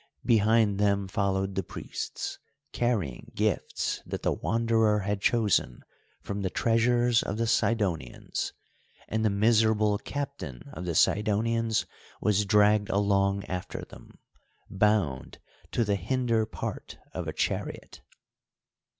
Behind them followed the priests, carrying gifts that the Wanderer had chosen from the treasures of the Sidonians, and the miserable captain of the Sidonians was dragged along after them, bound to the hinder part of a chariot.